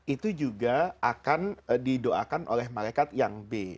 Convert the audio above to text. itu juga akan didoakan oleh malaikat yang b